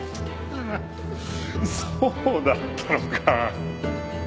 そうだったのか。